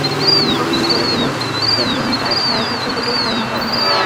তিনি কখনো সরে গেলেও ক্রেমলিনে তাঁর ছায়া থাকবে বলেই ধারণা করা হয়।